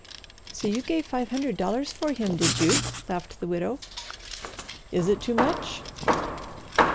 "So you gave five hundred dollars for him, did you?" laughed the widow. "Is it too much?"